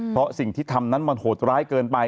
เพราะสิ่งที่ทำนั้นมันโหดร้ายเกินไป